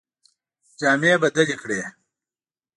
جامې بدلي کړې.